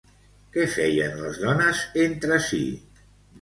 Què feien les dones entre sí?